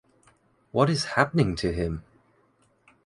What is happening to him?